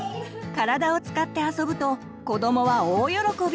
体を使って遊ぶと子どもは大喜び！